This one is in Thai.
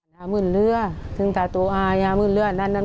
ได้ดีนะครับ